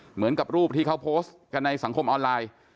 เหมือนกับรูปที่เขาโพสต์กันในสังคมออนไลน์